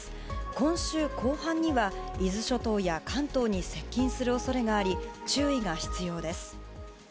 今週後半には伊豆諸島や関東に接近する恐れがあり注意が必要です。